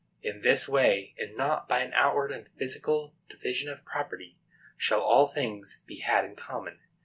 In this way, and not by an outward and physical division of property, shall all things be had in common.